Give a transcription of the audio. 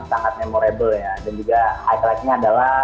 sangat memorable ya dan juga highlight nya adalah